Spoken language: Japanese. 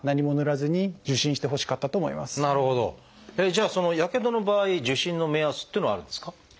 じゃあやけどの場合受診の目安っていうのはあるんですか？